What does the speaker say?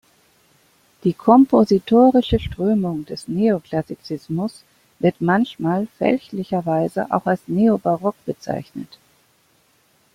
Die kompositorische Strömung des Neoklassizismus wird manchmal fälschlicherweise auch als Neobarock bezeichnet.